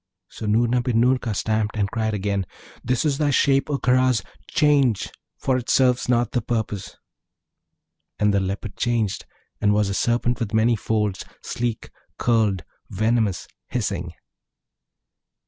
So Noorna bin Noorka stamped, and cried again, 'This is thy shape, O Karaz; change! for it serves not the purpose.' And the Leopard changed, and was a Serpent with many folds, sleek, curled, venomous, hissing.